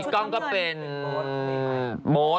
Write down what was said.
พี่ก้องก็เป็นโบสใช่ไหมโบส